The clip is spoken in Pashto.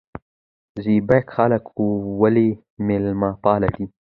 زیباک خلک ولې میلمه پال دي؟